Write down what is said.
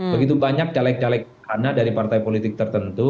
begitu banyak caleg caleg anak dari partai politik tertentu